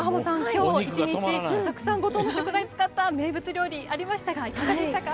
今日１日たくさん五島の食材を使った名物料理ありましたがいかがでしたか？